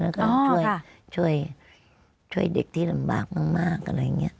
แล้วก็ช่วยเด็กที่ลำบากมากอะไรอย่างนี้